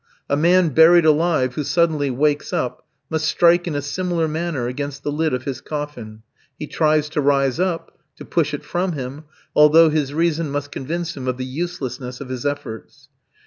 A man buried alive who suddenly wakes up must strike in a similar manner against the lid of his coffin. He tries to rise up, to push it from him, although his reason must convince him of the uselessness of his efforts.